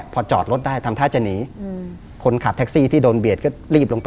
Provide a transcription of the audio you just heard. พอจอดรถได้ทำท่าจะหนี